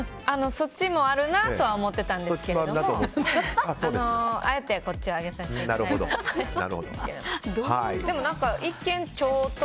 そっちもあるなとは思っていたんですけどあえてこっちを上げさせていただいたと。